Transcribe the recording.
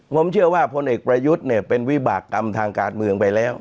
ผมเชื่อว่าพลเอกประยุทธ์เนี่ยเป็นวิบากรรมทางการเมืองไปแล้ว